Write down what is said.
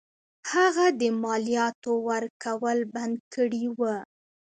هغه د مالیاتو ورکول بند کړي وه.